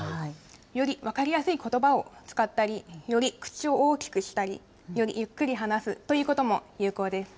より分かりやすいことばを使ったり、より口を大きくしたり、よりゆっくり話すということも有効です。